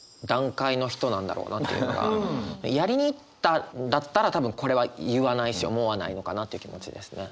やりにいったんだったら多分これは言わないし思わないのかなという気持ちですね。